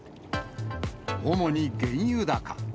主に原油高。